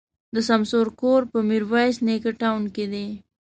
د سمسور کور په ميروایس نیکه تاون کي دی.